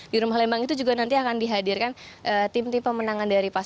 di rumah lembang itu juga nanti akan dihadirkan tim tim pemenangan dari pasangan